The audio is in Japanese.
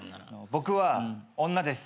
僕は女です。